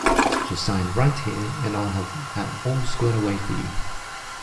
Just sign right here and I’ll have that all squared away for you.